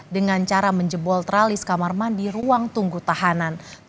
dengan cara menjebol tralis kamar mandi ruang tunggu tahanan